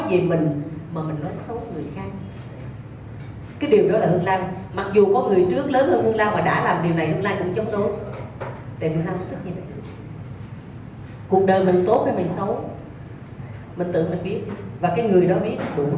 cuộc đời mình tốt hay mình xấu mình tự mình biết và cái người đó biết là đủ rồi